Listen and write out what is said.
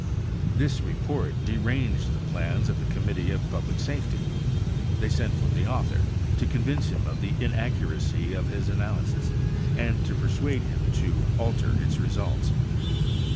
This report deranged the plans of the Committee of Pub lic Safety. They sent for the author, to convince him of the inaccuracy of his analysis, and to per suade him to alter its results.